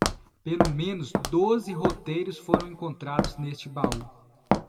Pelo menos doze roteiros foram encontrados neste baú.